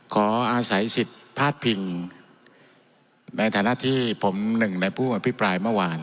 ขออาศัยสิทธิ์พลาดพิงในฐานะที่ผมหนึ่งในผู้อภิปรายเมื่อวาน